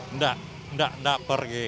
enggak enggak pergi